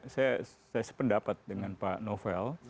saya sependapat dengan pak novel